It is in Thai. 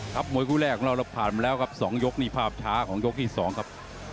ครับมวยกู้แรกเราผ่านมาแล้วครับ๒ยกนี่ภาพช้าของยกที่๒ครับ